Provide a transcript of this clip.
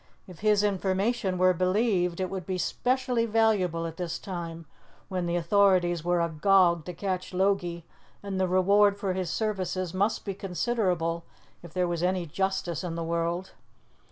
If his information were believed, it would be especially valuable at this time, when the authorities were agog to catch Logie, and the reward for his services must be considerable if there was any justice in the world.